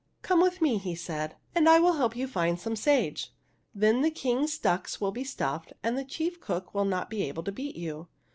'' Come with me," he said, '' and I will help you to find some sage. Then the King's ducks will be stuffed, and the chief cook will not be able to beat you."